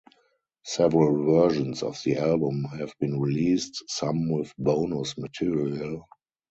Several versions of the album have been released, some with bonus-material.